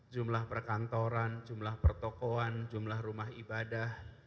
jumlah perkantoran jumlah pertokohan jumlah rumah ibadah